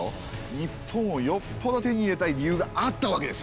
日本をよっぽど手に入れたい理由があったわけですよ。